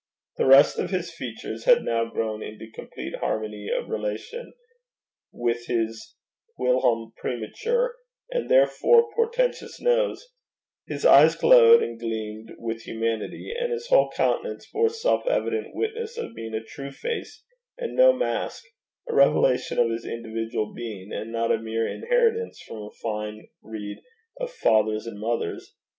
The rest of his features had now grown into complete harmony of relation with his whilom premature and therefore portentous nose; his eyes glowed and gleamed with humanity, and his whole countenance bore self evident witness of being a true face and no mask, a revelation of his individual being, and not a mere inheritance from a fine breed of fathers and mothers.